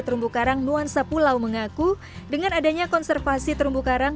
terumbu karang nuansa pulau mengaku dengan adanya konservasi terumbu karang